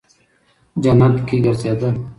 جنت کې گرځېده.